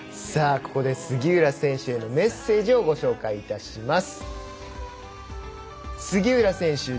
ここで杉浦選手へのメッセージをご紹介いたします。